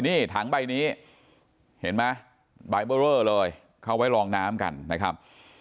นี่ถังใบนี้เห็นไหมใบเบอร์เรอเลยเขาไว้รองน้ำกันนะครับ